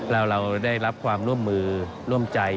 เราได้รับความร่วมมือร่วมใจ